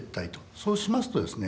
そうしますとですね